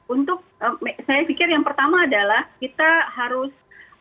untuk saya pikir yang pertama adalah kita harus